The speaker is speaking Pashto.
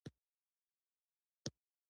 له تیږو نه بېلابېلې مجسمې هم توږل شوې وې.